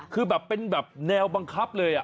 คือแบบเป็นแบบแนวบังคับเลย